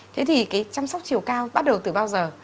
thế thì cái chăm sóc chiều cao bắt đầu từ bao giờ